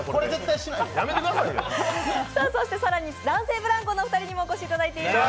更に男性ブランコのお二人にもお越しいただいております。